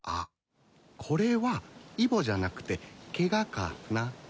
これはイボじゃなくてケガかな。